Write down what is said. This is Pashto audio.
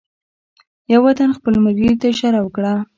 یوه تن خپل ملګري ته اشاره وکړه.